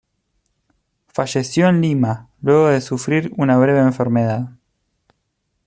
Falleció en Lima, luego de sufrir una breve enfermedad.